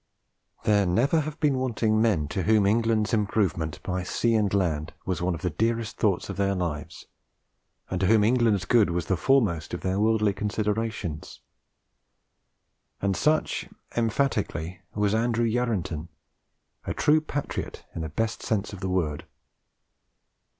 "There never have been wanting men to whom England's improvement by sea and land was one of the dearest thoughts of their lives, and to whom England's good was the foremost of their worldly considerations. And such, emphatically, was Andrew Yarranton, a true patriot in the best sense of the word."